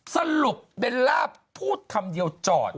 สรุปเบลล่าพูดคำเดียวจอด